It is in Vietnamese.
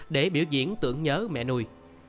để biểu diễn tưởng nhớ mẹ nuôi